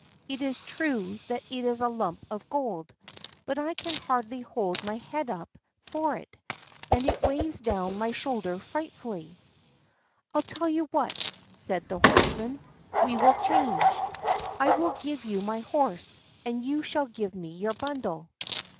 It is true that it is a lump of gold, but I can hardly hold my head up for it, and it weighs down my shoulder frightfully." "I'll tell you what," said the horseman, "we will change. I will give you my horse, and you shall give me your bundle."